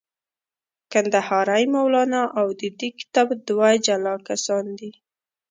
کندهاری مولانا او د دې کتاب دوه جلا کسان دي.